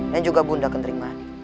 dan juga bunda kenterimani